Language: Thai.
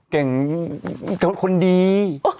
เก่งกับคนดี